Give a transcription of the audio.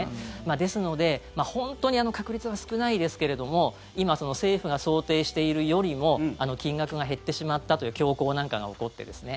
ですので本当に確率は少ないですけれども今、政府が想定しているよりも金額が減ってしまったという恐慌なんかが起こってですね。